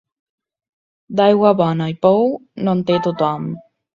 D'aigua bona i pou, no en té tothom.